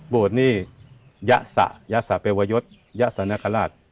โบสถ์นี่ยะสะยะสะเป็นวัยยศยะสะนาคาราช